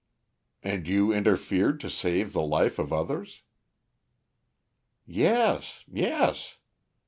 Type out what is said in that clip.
"And you interfered to save the life of others?" "Yes, yes.